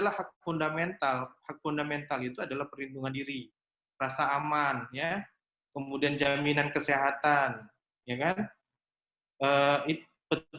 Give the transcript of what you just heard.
hak fundamental itu adalah perlindungan diri rasa aman kemudian jaminan kesehatan